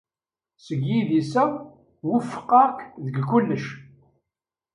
Seg yidis-a, wufqeɣ-k deg kullec.